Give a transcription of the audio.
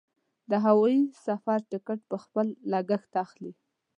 د هوايي سفر ټکټ په خپل لګښت اخلي.